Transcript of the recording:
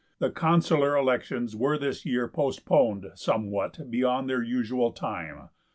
The consular elections were this year postponed somewhat beyond their usual time.